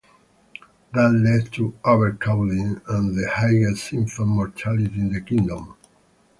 That led to overcrowding and the highest infant mortality in the kingdom.